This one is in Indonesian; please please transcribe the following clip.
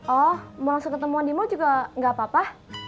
oh mau langsung ketemuan di mal juga gak apa apa